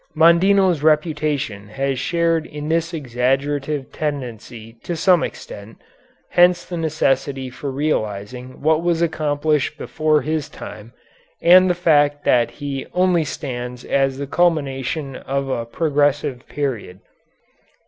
Mondino's reputation has shared in this exaggerative tendency to some extent, hence the necessity for realizing what was accomplished before his time and the fact that he only stands as the culmination of a progressive period.